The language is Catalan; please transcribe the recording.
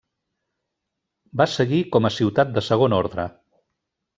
Va seguir com a ciutat de segon ordre.